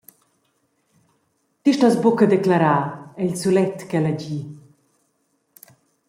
Ti stos buca declarar», ei il sulet ch’ella di.